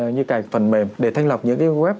như cài phần mềm để thanh lọc những cái web